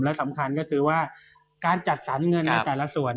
และสำคัญก็คือว่าการจัดสรรเงินในแต่ละส่วน